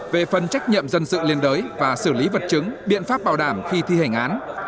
về phần trách nhiệm dân sự liên đối và xử lý vật chứng biện pháp bảo đảm khi thi hành án